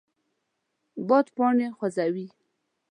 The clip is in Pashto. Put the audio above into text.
باد پاڼې خوځوي